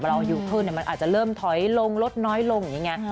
เราอายุขึ้นมันอาจจะเริ่มถอยลงลดน้อยลงอย่างนี้ไง